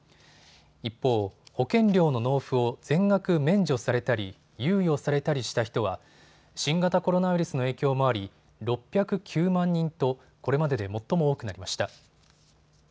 一方、保険料の納付を全額免除されたり猶予されたりした人は新型コロナウイルスの影響もあり６０９万人とこれまでで最も多くなりました。